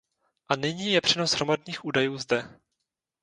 A nyní je přenos hromadných údajů zde.